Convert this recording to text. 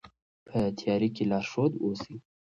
په تیاره کې لارښود اوسئ.